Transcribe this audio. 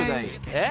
えっ？